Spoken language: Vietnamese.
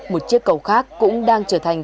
một chiếc cầu khác cũng đang trở thành